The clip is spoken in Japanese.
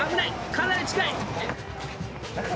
かなり近い！